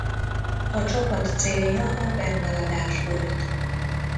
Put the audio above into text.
A csapat célja a bennmaradás volt.